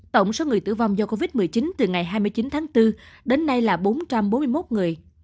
tổng số người tử vong do covid một mươi chín từ ngày hai mươi chín tháng bốn đến nay là bốn trăm bốn mươi một người